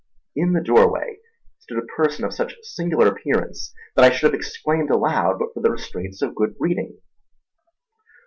In the doorway stood a person of such singular appearance that I should have exclaimed aloud but for the restraints of good breeding.